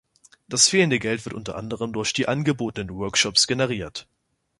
Das fehlende Geld wird unter anderem durch die angebotenen Workshops generiert.